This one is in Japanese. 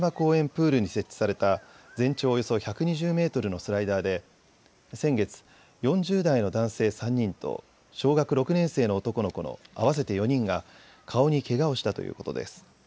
プールに設置された全長およそ１２０メートルのスライダーで先月、４０代の男性３人と小学６年生の男の子の合わせて４人が顔にけがをしたということです。